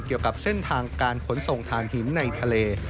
เกี่ยวกับเส้นทางการขนส่งฐานหินในทะเล